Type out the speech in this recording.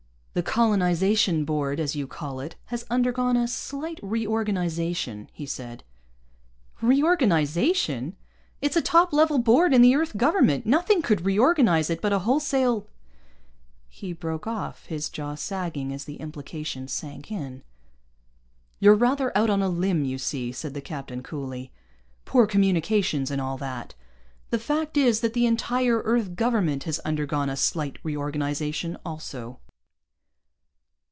"The Colonization Board, as you call it, has undergone a slight reorganization," he said. "Reorganization! It's a top level board in the Earth Government! Nothing could reorganize it but a wholesale " He broke off, his jaw sagging as the implication sank in. "You're rather out on a limb, you see," said the captain coolly. "Poor communications and all that. The fact is that the entire Earth Government has undergone a slight reorganization also."